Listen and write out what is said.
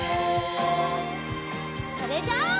それじゃあ。